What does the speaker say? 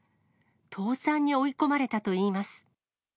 倒産に追い込まれたといいます。